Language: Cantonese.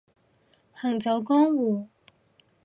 行走江湖